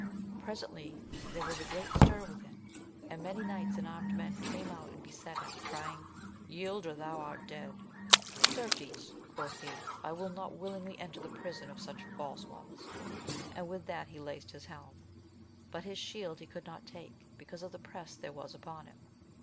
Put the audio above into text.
Presently there was a great stir within, and many knights and armed men came out and beset him, crying, yield or thou art dead ! Certes, quoth he, I will not willingly enter the prison of such false ones ! and with that he laced his helm ; but his shield he could not take, because of the press there was upon him.